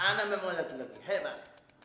anak memang laki laki hebat